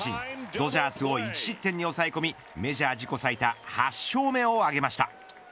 ドジャースを１失点に抑え込みメジャー自己最多８勝目を挙げました。